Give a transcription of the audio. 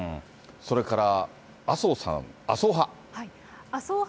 それから麻生さん、麻生派。